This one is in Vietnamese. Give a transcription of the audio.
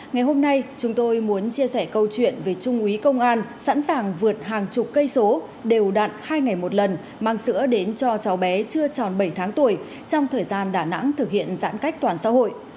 ngày hôm nay chúng tôi muốn chia sẻ câu chuyện về trung úy công an sẵn sàng vượt hàng chục cây số đều đặn hai ngày một lần mang sữa đến cho cháu bé chưa tròn bảy tháng tuổi trong thời gian đà nẵng thực hiện giãn cách toàn xã hội